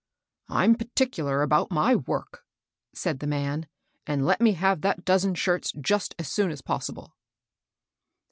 "I'm particular about my work," said the man ;" and let me have that dozen shirts just as soon as possible."